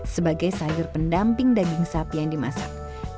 sebagai sayur pendamping daging sapi yang dimasak